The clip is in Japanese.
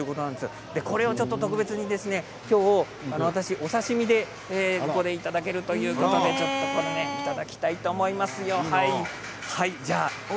今日はそれを特別にお刺身でここでいただけるということでいただきたいと思います。